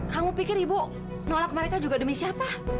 kamu pikir ibu nolak mereka juga demi siapa